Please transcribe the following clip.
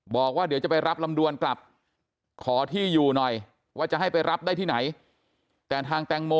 บอกว่าเดี๋ยวจะไปรับลำดวนกลับขอที่อยู่หน่อยว่าจะให้ไปรับได้ที่ไหนแต่ทางแตงโม